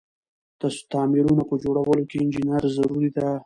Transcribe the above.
تعميرونه په جوړولو کی انجنیر ضروري ده.